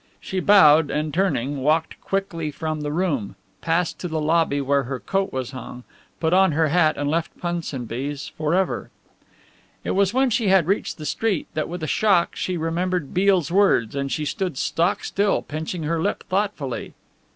She bowed and turning, walked quickly from the room, passed to the lobby where her coat was hung, put on her hat and left Punsonby's for ever. It was when she had reached the street that, with a shock, she remembered Beale's words and she stood stock still, pinching her lip thoughtfully.